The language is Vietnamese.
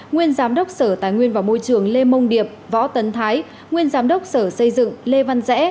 nguyên giám đốc sở tài nguyên và môi trường lê mông điệp võ tấn thái nguyên giám đốc sở xây dựng lê văn rẽ